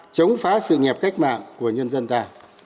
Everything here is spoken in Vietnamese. chống phá sự nghiệp cách mạng của nhân dân ta